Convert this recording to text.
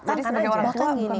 jadi faktornya bukan